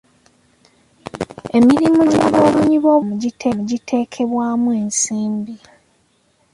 Emirimu gy'abanoonyi b'obubudamu giteekebwamu ensimbi.